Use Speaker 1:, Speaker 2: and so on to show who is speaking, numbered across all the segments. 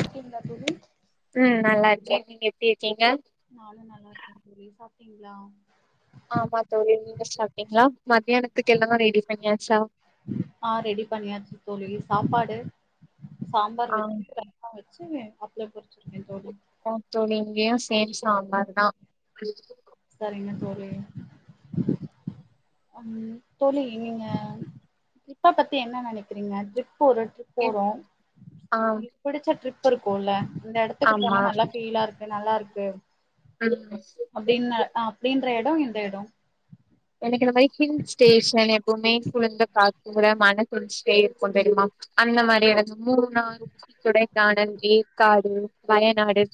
Speaker 1: இருக்கீங்களா தோழி
Speaker 2: உம் நல்லா இருக்கேன் நீங்க எப்டி இருக்
Speaker 1: நானும் நல்லா இருக்கேன் தோழி சாப் டிங்களா
Speaker 2: ஆமா தோழி நீங்க சாப்டீங்களா மத்தியானத்துக்கு எல்லாம் ரெடி பண்ணியாச்சா
Speaker 1: ஆ ரெடி பண்ணியாச்சு தோழி சாப்பாடு சாம்பார்
Speaker 2: ஆ
Speaker 1: வெச்சு ரசம் வெச் சு அப்ளம் பொறுச்சிருக்கேன் தோழி
Speaker 2: ஆஹ் தோழி இங்கயும் சேம் சாம்பார்தான்
Speaker 1: சரிங்க தோழி உம் தோழி நீங்க ட்ரிப்ப பத்தி என்ன நினைக்கிறீங்க ட்ரிப் போற ட்ரிப் போறோம்
Speaker 2: ஆ
Speaker 1: உங்களுக்கு பிடிச்ச ட்ரிப் புருக்கும்ல்ல அந்த இடத்துக்கு
Speaker 2: ஆமா
Speaker 1: போனா நல்லா ஃபீலா இருக்கு நல்லா இருக் கு
Speaker 2: ம்
Speaker 1: அப்படின்ன அப்படின்ற இடம் இந்த இடம்
Speaker 2: எனக்கு இந்த மாரி ஹில்ஸ் ஸ்டேஷன் எதுவுமே குளிந்த கா கூல மழைப்பேஞ்சிட்டே இருக்கும் தெரியுமா அந்த மாரி எனக்கு மூணார் குடைக்கானல் ஏற்காடு வயநாடு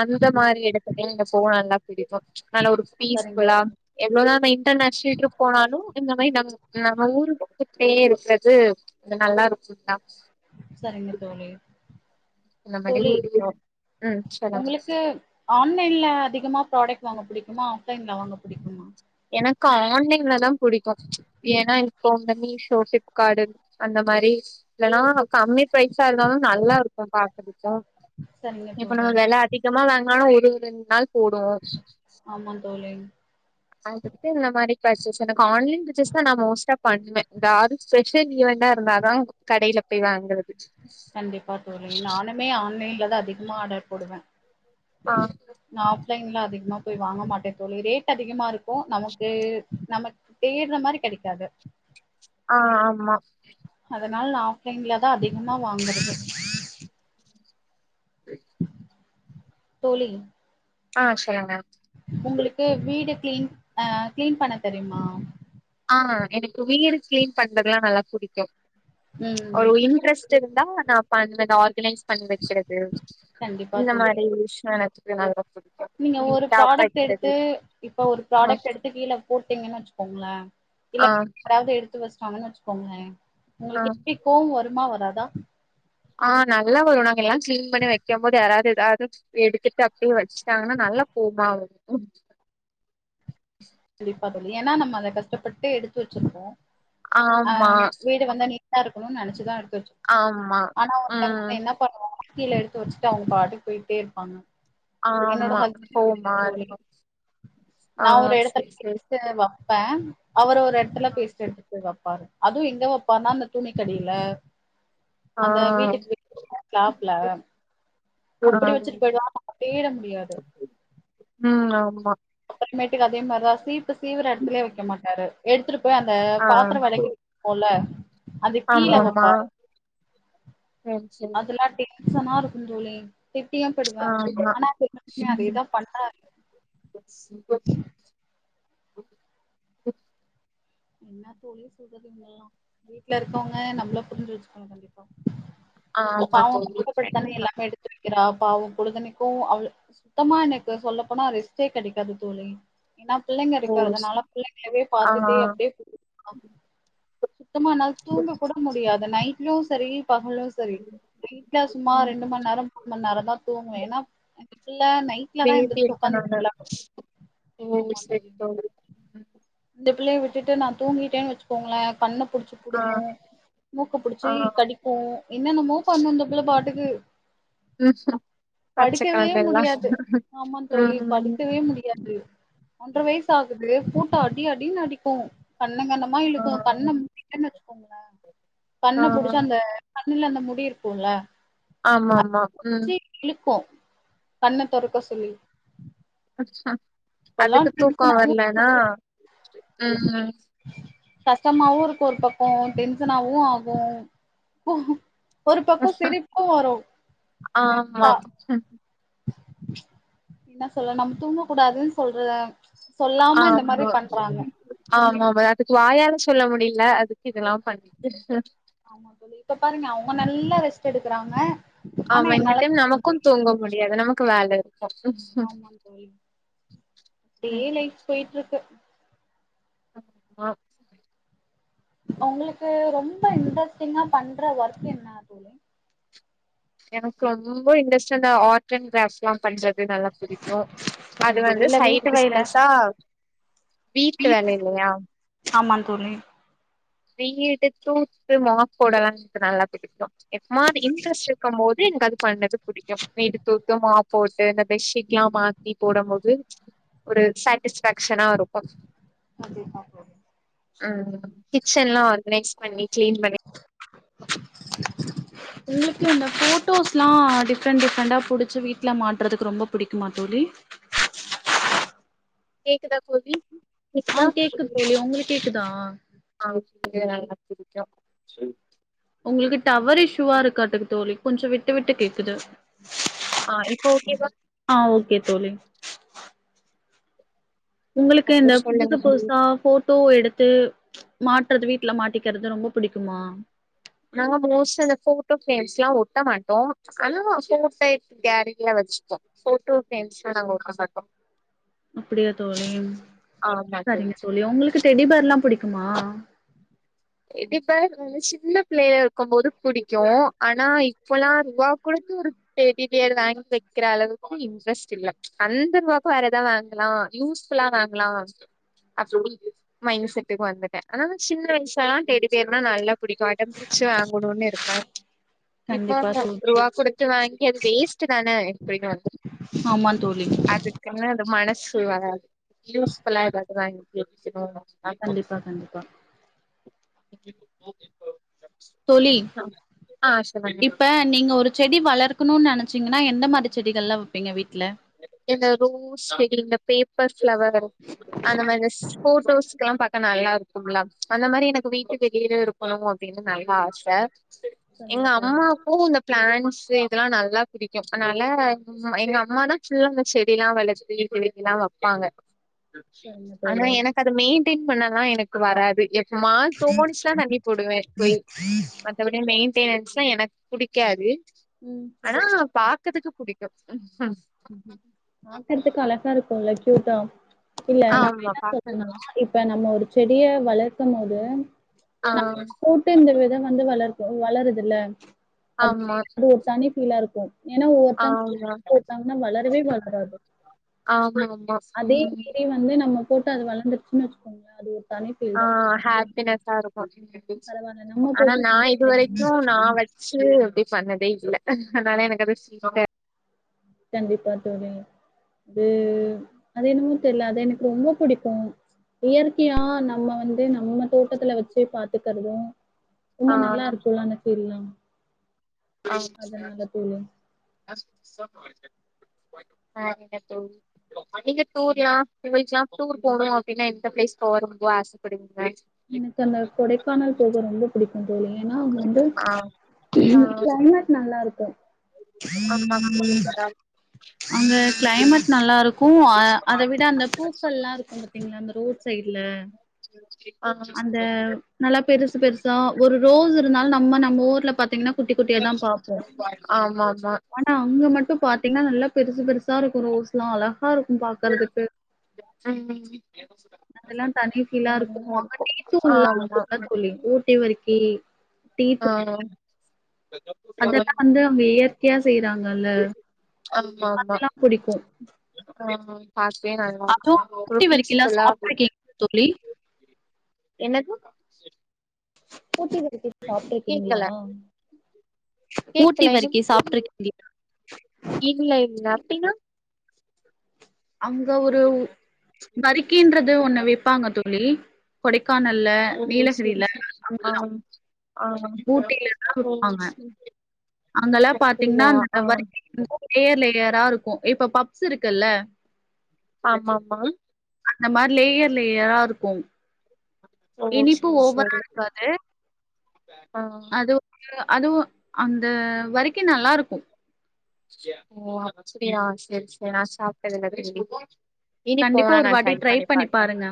Speaker 2: அந்த மாரி இடத்துல இங்க போனா நல்லா பிடிக்கும் நல்ல ஒரு
Speaker 1: சரிங்க
Speaker 2: பீஸ்ஃபுல்லா
Speaker 1: தோழி
Speaker 2: எவ்வளோதா நைட் எந்த நஸ்டேட்ருக்கு போனாலும் இந்த மாதிரி நம் நம்ம ஊரு இப்டியே இருக்கிறது அது நல்லா இருக்கும் தான்
Speaker 1: சரிங்க தோழி
Speaker 2: இந்த மாரி
Speaker 1: தோழி
Speaker 2: பிடிக்கு ம் சொல்லுங்க
Speaker 1: உங்களுக்கு ஆன்லைன்ல அதிகமா ப்ராடக்ட் வாங்க பிடிக்குமா ஆஃப்லைன்ல வாங்க பிடிக்குமா
Speaker 2: எனக்கு ஆன்லைன்ல தான் புடிக்கும் ஏன்னா போன் பண்ணி ஷோடிப்கார்டு அந்த மாதிரி இதெல்லாம் கம்மி ப்ரைஸா இருந்தாலும் நல்லா இருக்கும் பாக்கறதுக்கு
Speaker 1: சரிங்க
Speaker 2: இப்ப
Speaker 1: தோழி
Speaker 2: நம்ம வெல அதிகமா வாங்குனாலு ஊத் இன்னு ரெண்டு நாள் போடுவோம்
Speaker 1: ஆமா தோழி
Speaker 2: அதுக்கு இந்த மாதிரி பர்ச்சஸ் எனக்கு ஆன்லைன் பர்ச்சஸ் தான் நான் மோஸ்ட்டா பண்ணுவேன் யாரும் ஸ்பெஷல் ஈவெண்டா இருந்தாதான் கடையில போய் வாங்குறது
Speaker 1: கண்டிப்பா தோழி நானுமே ஆண்லயே தான் அதிகமா ஆர்டர் போடுவேன்
Speaker 2: ஆஹ்
Speaker 1: வெளிலைல அதிகமா போய் வாங்க மாட்டே தோழி ரேட் அதிகமா இருக்கும் நமக்கு நமக்கு தேடுற மாதிரி கிடைக்காது
Speaker 2: ஆஹ் ஆமா
Speaker 1: அதனால நான் ஆஃப்லைன்லதான் அதிகமா வாங்கறது தோழி
Speaker 2: ஆஹ் செல்லுங்க
Speaker 1: உங்களுக்கு வீடு கிளீன் அஹ் கிளீன் பண்ண தெரியுமா
Speaker 2: ஆஹ் எனக்கு வீடு கிளீன் பண்றதெல்லாம் நல்லா புடிக்கும்
Speaker 1: ம்
Speaker 2: ஒரு இன்ரஸ்ட் புடிச்சிருந்தா நான் அ அந்த ஆர்கனைஸ் பண்ணி வைக்கிறது
Speaker 1: கண்டிப்பா
Speaker 2: இந்த
Speaker 1: தோழி
Speaker 2: மாதிரி விஷய எனக்கு [unintelligible]
Speaker 1: நீங்க ஒரு
Speaker 2: நீட்டா
Speaker 1: ப்ராடக்ட்
Speaker 2: வெக்கிறது
Speaker 1: எடுத்து இப்ப ஒரு
Speaker 2: ஆ
Speaker 1: ப்ராடக்ட் எடுத்து கீழே போட்டீங்கன்னு வச்சுக்கோங்களே இல்ல
Speaker 2: ஆ
Speaker 1: அதாவது இவ்ள ஷாங்குன்னு வச்சுக்கோங்க
Speaker 2: ஆ
Speaker 1: உங்களுக்கு எப்படி கோவம் வரும் வரும்மா வராதா
Speaker 2: ஆஹ நல்லா வரு நாங்க எல்லா கிளீன் பண்ணி வைக்கும் போது யாராவது எதாவது எடுத்துட்டு அப்படியே வச்சுட்டாங்கன்னா நல்லா கோவமா வரு.
Speaker 1: கண்டிப்பா தோழி ஏன்னா நம்ம அத கஷ்டப்பட்டு எடுத்து வச்சுருக்கோ.
Speaker 2: ஆமா
Speaker 1: அஹ வீடு வந்தா நீ. இதா இருக்கணு நெனச்சுதா இருக்.
Speaker 2: ஆம்மா உம்.
Speaker 1: கீல எடுத்து வச்சுட்டு அவங்க பாட்டுக்கு போயிட்டே இருப்பாங்க. என்னோட
Speaker 2: ஆமா கோவமா
Speaker 1: ஹஸ்பண்ட் தோழி
Speaker 2: இருக்கு. ஆஹ சேரி.
Speaker 1: நெக்ஸ்டேவா. ப்ப. அவரு ஒர். ரெட்டர்ல பேஸ்ட் எடுத்துட்டு போயிருவாங்க. பாரு அதுவும் எங்க வைப்பானா இந்த துணிக்கடியில.
Speaker 2: ஆ
Speaker 1: அந்த வீட்டுக்கு போ கேப்ல.
Speaker 2: ஆ
Speaker 1: அப்படி வச்சுட்டு போயிடுவா தேட முடியாது.
Speaker 2: ம் ஆமா
Speaker 1: இன்ன மேட்டுக்கு அதே மாரிதா சீப்பு சீவர எடத்துலயே வைக்க மாட்டாரு எடுத்துட்டு. போயி அந்த
Speaker 2: ஆ
Speaker 1: பாத்ரோ வெலக்கி வைப்போம்ல. அது கீழ
Speaker 2: ஆமாமா
Speaker 1: வைப்பாரு.
Speaker 2: செரி செரி
Speaker 1: அதெல்லா டென்ஷனா இருக்கும் தோழி. திட்டியும் போடுவ.
Speaker 2: ஆமா
Speaker 1: ஆனா திரும்பமே அதேதா பண்றாரு.
Speaker 2: சேரி. ஆஹ.
Speaker 1: என்ன தோழி சொல்றது இவங்கல்லா வீட்ல இருக்கவங்க நம்மள புரிஞ்சு வச்சுக்கோனும்மில்லையா.
Speaker 2: ஆமா
Speaker 1: பாவோ
Speaker 2: தோழி
Speaker 1: கஷ்டப்பட்டுதானே
Speaker 2: கண்டிப்பா
Speaker 1: எல்லாமே எடுத்து. க்கிரோ பாவோ பொழுதினிக்கு அவள சுத்தமா எனக்கு சொல்லப்போனா ரெஸ்ட்டே கெடைக்காது தோழி. ஏன்னா புள்ளைங்க இருக்கதனால புள்ளங்களயவே பாத்துட்டு.
Speaker 2: உஹம்.
Speaker 1: சுத்தமா என்னால தூங்க கூட முடியாது. அந்த நைட்லியு சேரி. பகலும் சேரி நைட்ல சும்மா
Speaker 2: ம்
Speaker 1: ரெண்டு மணி நேரம் மூணு மணி நேரதா தூங்கும் ஏன்னா இந்த பிள்ள நைட்லதா
Speaker 2: பேபி
Speaker 1: எந்துருச்சு
Speaker 2: இருக்கனால
Speaker 1: உக்காந்து
Speaker 2: ஓ
Speaker 1: [unintelligible] ஆமா
Speaker 2: செரி
Speaker 1: தோழி
Speaker 2: ம்.
Speaker 1: இந்த பிள்ளைய விட். விட்டுட்டு நா தூங்கிட்டன் வச்சுங்களே கண்ணு. புடிச்சு
Speaker 2: ஆ
Speaker 1: புடுஙீகு. மூக்கு புடிச்சு
Speaker 2: ஆ
Speaker 1: கடிக்கு என்னன்னமோ பண்ணும் இந்த புள்ள பாட். இழுக்குது.
Speaker 2: ம் பச்ச
Speaker 1: படுக்கவே
Speaker 2: கலர்லல்லா
Speaker 1: முடியாது. ஆமா தோழி
Speaker 2: ம்
Speaker 1: படுக்கவே முடியாது ஒன்ற வயசு ஆகுது. து போட்டு அடிஅடின்னு அடிக். க்கு. கண்ணங்கண்ணமா
Speaker 2: ஆ
Speaker 1: இழுக்கு கண். [unintelligible] குங்களா
Speaker 2: ஆ
Speaker 1: கண்ண புடிச்ச அந்த கண்ணுல அந்த முடி இருக்கும்ல
Speaker 2: ஆமா ஆமா உம்
Speaker 1: கண்ண தொறக்க சொல்லி
Speaker 2: [inaudible]
Speaker 1: இப்பல்லா
Speaker 2: அதுக்கு தூக்கம்
Speaker 1: டென்ஷனாவு
Speaker 2: வரலனா உம்ம்
Speaker 1: கஷ்டமாவும் இருக்கும் ஒரு பக்கம் டென்சனாவும் ஆகும் ஒரு பக்கம் சிரிப்பும் வரும்
Speaker 2: ஆமா
Speaker 1: ஆஹா என்ன சொல்றேன் நம்ம தூங்கக்கூடாதுன்னு சொல்றேன்
Speaker 2: ஆமா ஆமா வெர் வாயால சொல்ல முடியல அதுக்கு இதெல்லாம் பண்ணிட்டு
Speaker 1: எடுக்குறாங்க
Speaker 2: ஆமா இந்த டைம் நமக்கும் தூங்க முடியாது நமக் கு வேல இருக்
Speaker 1: ஆமா டி அப்டியே லைப் போயிட்டு இருக்கு
Speaker 2: ம் ஆஹ்
Speaker 1: உங்களுக்கு ரொம்ப இன்ட்ரெஸ்ட்டிங்கா பண்ற ஒர்க் என்னா தோழி
Speaker 2: எனக்கு ரொம்ப இன்ட்ரெஸ்ட் வந் து ஆர்ட் அண்ட் காஸ் எல்லாம் பண்றது நல்லா புடிக்கும்
Speaker 1: சரி
Speaker 2: அது
Speaker 1: தோழி
Speaker 2: வந்து
Speaker 1: இல்ல
Speaker 2: சைட்
Speaker 1: வீட்டு வேல
Speaker 2: பிஸ்னஸ்சா வீட்டு வேலை இல்லையா
Speaker 1: துணி
Speaker 2: வீடு தூத்து மாப் போடலாம் எனக்கு நல்லா பிடிக்கும் எப்பனாது இன்ட்ரெஸ்ட் இருக்கும் போது எனக்கு அது பண்ணது புடிக்கும் வீடு தூத்து மாப் போட்டு இந்த பெட் ஷீட் எல்லாம் மாத்தி போடும் போது ஒரு சாட்டிஸ்ப்பேக்ஷ்னா இருக்கும்
Speaker 1: அத பாக்கும் போது
Speaker 2: ஆஹ் கிச்சன்லாம் ஆர்கனைஸ் பண்ணி க்ளீன் பண்ணி
Speaker 1: எங்களுக்கு இந்த போட்டோஸ் எல்லாம் டிஃரெண்ட் டிஃரெண்டா புடிச்சு வீட்டுல மாட்டுறதுக்கு ரொம்ப புடிக்குமா தோழி
Speaker 2: கேக்குதா தோழி கேக்குதா
Speaker 1: ஆஹ் கேக்குது தோழி உங்களுக்கு கேக்குதா
Speaker 2: [unintelligible]
Speaker 1: உங்களுக்கு டவர் இஷ்யுவா இருக்காட்டுக்கு தோழி கொஞ்சம் விட்டு விட்டு கேக்குது
Speaker 2: ஆஹ் இப்ப ஓகே வா
Speaker 1: ஆ ஓகே தோழி உங்களுக்கு
Speaker 2: அப்றோ
Speaker 1: இந்த
Speaker 2: சொல்லுங்க
Speaker 1: புதுசா
Speaker 2: தோழி
Speaker 1: புதுசா போட் பூ எடுத்து மாட்டுறது வீட்டுல மாட்டிக்கிறது ரொம்ப பிடிக்குமா
Speaker 2: நாங்க மோஸ்டா போட்டோ பிரேம்ஸ் எல்லாம் ஒட்ட மாட்டோம் ஆனா போட்ட கேலரிய வச்சுப்போம் போட்டோ பிரேம்ஸ் நாங்க ஒட்ட மாட்டோம்
Speaker 1: அப்படியா தோழி சரிங்க தோழி உங்களுக்கு டெடிபர்ல்லாம் புடிக்குமா
Speaker 2: ஏடிபிளியர் வந்து சின்ன பிள்ளையா இருக்கும்போது பிடிக்கும் ஆனா இப்பல்லாம் ருவா கூடுத்து ஒரு எடி பிளியர் வாங்கி வைக்கிற அளவுக்கு இன்ட்ரெஸ்ட் இல்ல அந்த ரூவாய்க்கு வேற எதாவது வாங்கலாம் யூஸ்ஃபுல்லா வாங்கலாம் அப்டி மைண்ட் செட்டுக்கு வந்துட்டேன் ஆனா சின்ன வயஸ் ல எல்லாம் டெடிபியர்னா நா என்ன பண் பிடிக்கும்அடம் புடிச்சி வாங்கணும்னு இருப்ப
Speaker 1: கண்டிப்பா தோழி
Speaker 2: ரூபா கொடுத்து வாகி அது வேஸ்டுத்தான
Speaker 1: ஆமா தோழி
Speaker 2: அதுக்குள்ளா அது மனசு வராது யூஸ்ஃபுல்லா ஏதாவது வாங்கி [unintelligible]
Speaker 1: கண்டிப்பா கண்டிப்பா
Speaker 2: [inaudible]
Speaker 1: தோழி
Speaker 2: ஆ சொல்லுங்க
Speaker 1: இப்ப நீங்க ஒரு செடி வளர்க் கனு நினைச்சங்கன்னா எந்த மாதி செடிங்கள் ல வைப்பிங்க வீட்
Speaker 2: இந்த ரோஸ் எக்ரினப் பேப்பர்ஸ் பிளவர் அந்த மாதிரி போட்டோஸ்ல்லாம் பாக்க நல்லா இருக்கும் இருக்கும்ல அந்த மாதிரி எனக்கு வீட்டுக்கு வெளியில இருக்கணும் அப்படின்னு நல்ல ஆச
Speaker 1: சரிங்க
Speaker 2: எங்க
Speaker 1: தோழி
Speaker 2: அம்மாக்கும் இந்த பிளான்ட் இதெல்லாம் நல்லா பிடிக்கும் அதனால எங்க அம்மா தான் சிலம்ப செடி எல்லாம் வளர்த்து இவங்க எல்லாம் வைப்பாங்க
Speaker 1: சரிங்க
Speaker 2: ஆனா
Speaker 1: தோழி
Speaker 2: எனக்கு அது மெயின் கிளின் பண்ணலா எனக்கு வராது மான் தோனிச்சுனா தண்ணி போடுவே போய் மற்றவடி மெயின் [unintelligible] னன்னா எனக்கு பிடிக்காது
Speaker 1: ம்
Speaker 2: ஆனா
Speaker 1: சரி
Speaker 2: பாக்கதுக்கு புடிக்கும் உஹ்
Speaker 1: பாக்கறதுக்கு அழகா இருக்குமுல்ல க்யூட்டா இல்ல நான்
Speaker 2: ஆமா
Speaker 1: என்ன சொல்றேன்னா
Speaker 2: பாக்க
Speaker 1: இப்ப நம்ம ஒரு செடியை வளர்க்கும் போது
Speaker 2: ஆ
Speaker 1: நம் கூட்டு இந்த வித வந்து வளர்ப்பு வளருது இல்ல
Speaker 2: ஆமா
Speaker 1: அப்படினு ஒரு தனி ஃபீலா இருக்கும்
Speaker 2: ஆமா
Speaker 1: வளரவே வளராது
Speaker 2: ஆமா ஆமா
Speaker 1: அதே
Speaker 2: ம்
Speaker 1: மாதிரி வந்து நம்ம போட்டு அது வளர்துச்சுன்னு வச்சுக்கோங்கள அது ஒரு தனி ஃபீல்
Speaker 2: ஆ
Speaker 1: தா
Speaker 2: ஹப்பின்ஸ்ஸா இருக்கும்
Speaker 1: பரவால்ல நம்ம
Speaker 2: ஆனா நான்
Speaker 1: போட்டு
Speaker 2: இதுவரக்கும் நான் வச்சு எப்டி பண்ணது டெய்சில்ல அதனால எனக்கு அது [inaudible]
Speaker 1: கண்டிப்பா தோலி அது அது என்னமும் தெர்ல அது எனக்கு ரொம்ப புடிக்கும் இயற்கையா நம்ம வந்து நம்ம தோட்டத்துல வச்சி பாத்துக்கறதும் ரொம்ப
Speaker 2: ஆ
Speaker 1: நல்லா இருக்கும்ல்ல அந்த ஃபீல்லாம்
Speaker 2: ஆ [inaudible] ஆங்க தோலி நீங்க டூர்லான் [unintelligible] டூர் போகணும் அப்டின்ன எந்த பிளேஸ் போனோம் ஆசப்படுவிங்க
Speaker 1: எனக்கு அந்த கொடைக்கானல் போக ரொம்ப புடிக்கும் ஏன்னா வந்து
Speaker 2: ஆ ஆ
Speaker 1: கிளைமேட் நல்லா இருக்கும்
Speaker 2: ஆமா போவீங்களா
Speaker 1: அங்க கிளைமேட் நல்லா இருக்கும் அ அத விட அந்த பூக்கள்ளாம் இருக்கும் பாத்தீங்களா அந்த ரோட் சைட்ல
Speaker 2: [inaudible]
Speaker 1: அந்தா நல்லா பெருசு பெருசா ஒரு ரோஸ் த்துனால நம்ம நம்ப ஊர்ல பாத்தீங்கன்னா குட்டி குட்டிய தான் பாப்போம்
Speaker 2: ஆ ஆமா ஆமா
Speaker 1: ஆனா அங்க மட்டும் பாத் ப்படிலா நல்ல பெருசு பெருசா இருக்கும் ரோஸ் எல்லாம் அலகா இருக்கும் பாக்குறதுக்கு
Speaker 2: ம் நல்லா
Speaker 1: அதல்லாம்
Speaker 2: இருக்கு
Speaker 1: தனி ஃபீலா இருக்கும் [unintelligible] ட்டுகுலாம்
Speaker 2: ஆமா
Speaker 1: [unintelligible] தோலி ஊட்டி வருகி
Speaker 2: ஆ
Speaker 1: அதெல்லாம் வந்து அவங்க இயற்கையா செய்யறாங்
Speaker 2: ஆம்மா
Speaker 1: புடிக்கும்.
Speaker 2: அ அ பாக்கயே நல்லா
Speaker 1: அதுவும்
Speaker 2: இருந்துச்சு
Speaker 1: ஊட்டி
Speaker 2: பீஸ்
Speaker 1: வரைக்கிலாம்
Speaker 2: ஃபுல்லா ஆ
Speaker 1: சாப்ட்டுருக்கீங்க தோழி?
Speaker 2: என்னது [inaudible]
Speaker 1: குட்டிரு [inaudible] சாப்ட்டு இருக்கீங்களா
Speaker 2: கேக்கல
Speaker 1: ஊட்டி
Speaker 2: கேக்கல
Speaker 1: வர்கி
Speaker 2: என்னது
Speaker 1: சாப்ட்டுருக் கீங்களா
Speaker 2: இல்ல இல்ல அப்டின்னா
Speaker 1: அங்க ஒரு வரிக்கன்றது ஒன்னு விப்பாங்க தோலி கொடை க்கானல்ல
Speaker 2: ஓ செரி
Speaker 1: நீலகிரில
Speaker 2: செரி ஆ
Speaker 1: அங்கல்லாம்
Speaker 2: ஆ
Speaker 1: ஊட்டில தான்
Speaker 2: ஓ
Speaker 1: விப்பாங்க
Speaker 2: செரி
Speaker 1: அங்கெல்லாம் பாத்தீங்கன்னா
Speaker 2: அப்டியா
Speaker 1: அந்த
Speaker 2: ஆ
Speaker 1: வரிகி இருந்து லேயர் லேயர் ரா இருக்கும் இப்ப பப்ஸ் இருக்குல்ல
Speaker 2: ஆமாம்மா
Speaker 1: அந்த மாரி லேயர் லேயரா இருக்கும்
Speaker 2: ஓ
Speaker 1: இனிப்பு
Speaker 2: செரி
Speaker 1: ஒவ்வற
Speaker 2: செரி
Speaker 1: இருக்காது
Speaker 2: ஆ
Speaker 1: அது [unintelligible] அதுவும் அந்த வரிக்கி நல்லா இருக்கு
Speaker 2: ஓ அப்டியா செரி செரி நான் சாப்பிட்டதில்ல [unintelligible] இனி
Speaker 1: கண்டிப்பா
Speaker 2: போன
Speaker 1: ஒரு
Speaker 2: நா
Speaker 1: வாட்டி
Speaker 2: டிரைப்
Speaker 1: ட்ரை
Speaker 2: பண்ணி பாக்க
Speaker 1: பாருங்க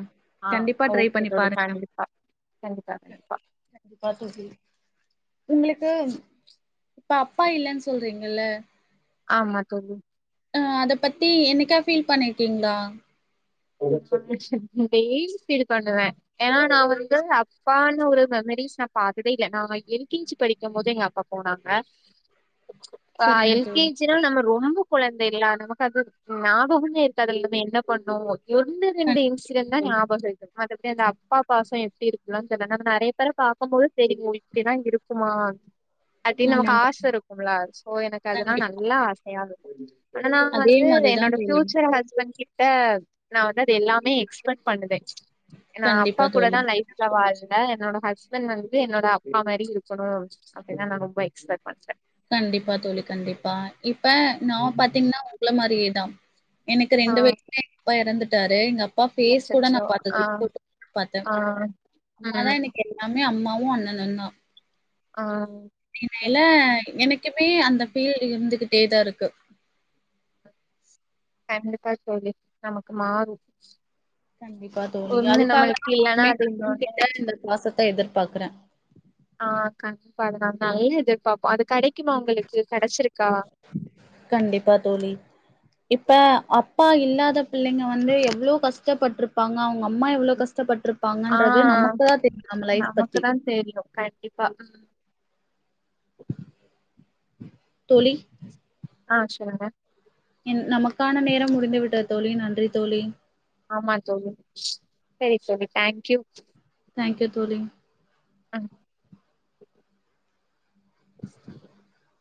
Speaker 2: ஆஹ்
Speaker 1: கண்டிப்பா ட்ரை
Speaker 2: ஓகே
Speaker 1: பண்ணி
Speaker 2: தோழி
Speaker 1: பாருங்க
Speaker 2: கண்டிப்பா கண்டிப்பா கண்டிப்பா
Speaker 1: உங்குளுக்கு இப்ப அப்பா இல்லன் சொல்றீங்குல்ல
Speaker 2: ஆமா தோழி
Speaker 1: அஹ் அத பத்தி என்னீக்கா ஃபீல் பண்ணிருக்கீங்களா
Speaker 2: டெய்லி ஃபீல் பண்ணுவே ஏன்னா நா வந்து அப்பான்னு ஒரு மெமரிஸ் நா பாத்ததே இல்ல நானங்க எல்கேஜி படிக்கும் போது எங்க அப்பா போனாங்க ஆஹ்
Speaker 1: சரிங்க தோழி
Speaker 2: எல்கேஜினா நம்ம ரொம்போ குழந்தைல்லா நமக்கு அது ஞாபகமே இருக்காதுலிங்குமே என்ன பண்ணோ ஒண்டு ரெண்டு
Speaker 1: கண்டிப்பா
Speaker 2: இன்சிடென்ட் தா
Speaker 1: தோழி
Speaker 2: ஞாபகம் இருக் அது எப்டி அந்த அப்பா பாசம் எப்டி இருக்குது தெரியல நம்ம நெறைய பேர பாக்கும்போது தெரியு இப்டிதா இருக்குமா அட்டின்
Speaker 1: ஆமா
Speaker 2: நமக்கு ஆச
Speaker 1: தோழி
Speaker 2: இருக்கும்லா சோ எனக்கு அதுன்னா
Speaker 1: கண்டிப்பா
Speaker 2: நல்லா ஆசையா தோழி ஆனா நா
Speaker 1: அதே
Speaker 2: வந்து
Speaker 1: மாரிதா
Speaker 2: என்னோட
Speaker 1: தோழி
Speaker 2: ஃயூச்சர் ஹஸ்பண்ட் கிட் ட்டேக் நா வந்து அது எல்லாமே எக்ஸ்பென்ட் பண்ணுவே நா அப்பா
Speaker 1: கண்டிப்பா தோழி
Speaker 2: கூடதான் லைஃப்ல வாழ் ட்ட என்னோட ஹஸ்பண்ட் வந்து என்னோட அப்பா மாரி இருக்கணும் அப்டின்னா நான் ரொம்ப எக்ஸ்பெட் பண்ணுவே
Speaker 1: கண்டிப்பா தோழி கண்டிப்பா இப்ப நா பாத்தீங்கின்னா உங்கள மாரியேதா எனக்கு
Speaker 2: ஆ
Speaker 1: ரெண்டு வயிசுலே எங் அப்பா இறந்துட் ட்டாரு எங் அப் அப்பா பேஸ் கூட
Speaker 2: அச்சச்சோ
Speaker 1: நான்
Speaker 2: ஆ
Speaker 1: பாத்ததுல்ல போட்டோல் பாத்தே
Speaker 2: ஆ
Speaker 1: அம்மாதா
Speaker 2: ம்
Speaker 1: எனக் எல்லாமே மே அம்மாவு அண்ணனுன் தா
Speaker 2: ஆஹ்
Speaker 1: அப்டினாலே எனக்குமே அந்த ஃபீல் ட்டு இருந்துகிட்டேதா இருக்கு
Speaker 2: கண்டிப்பா தோழி நமக்கு மாரு
Speaker 1: கண்டிப்பா தோழி அதுக்காக
Speaker 2: இல்லன்னா
Speaker 1: நானுமே
Speaker 2: அது இன்னொன்னு
Speaker 1: உங்கிட்ட இந்த பாசத்த எதிர்ப் பாக்குறே
Speaker 2: ஆஹ் கண்டிப்பா அத நல் எதிர்பாப்போம் அது கெடைக்குமா உங்களுக்கு கெடச்சிருக்கா
Speaker 1: கண்டிப்பா தோழி இப்ப அப் ப்பா இல்லாத பிள்ளீங்க வந்து எவ்ளோ கஷ்டப்பட்டிருப்பாங்க அவுங்க அம்மா எவ்ளோ கஷ்டப்பட்ருப்
Speaker 2: ஆஹ் நமக்கு
Speaker 1: பத்தி.
Speaker 2: தான் தெரியு கண்டிப்பா
Speaker 1: தோழி.
Speaker 2: ஆஹ சொல்லுங்க.
Speaker 1: என் நமக்கான நேரம்மு. முடிந்து விட்டது தோழி நன்றி தோழி.
Speaker 2: ஆம்மா தோழி. சேரி தோழி தேங்க்யூ.
Speaker 1: தேங்க்யூ தோழி.
Speaker 2: ஆஹ. [unintelligible]